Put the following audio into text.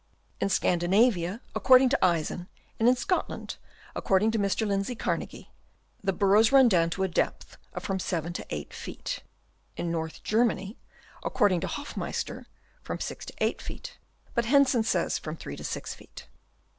In Scandinavia, according to Eisen, and in Scot land, according to Mr. Lindsay Carnagie, the burrows run down to a depth of from 7 to 8 feet ; in North Germany, according to Hoff meister, from 6 to 8 feet, but Hensen says, from 3 to 6 feet.